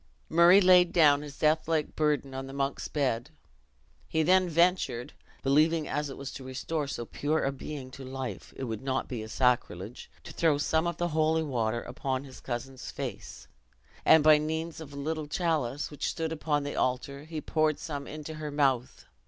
Murray laid down his death like burden on the monk's bed. He then ventured (believing, as it was to restore so pure a being to life, it could not be sacrilege) to throw some of the holy water upon his cousin's face; and by means of a little chalice, which stood upon the altar, he poured some into her mouth.